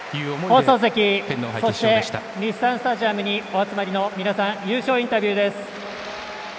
放送席、日産スタジアムにお集まりの皆さん優勝インタビューです。